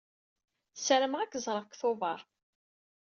Ssarameɣ ad k-ẓreɣ deg Tubeṛ.